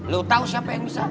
lo tahu siapa yang bisa